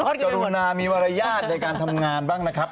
กรุณามีมารยาทในการทำงานบ้างนะครับ